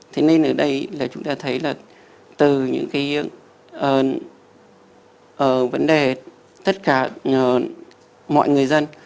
thế nên ở đây là chúng ta thấy là từ những cái vấn đề tất cả mọi người dân